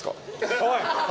おい！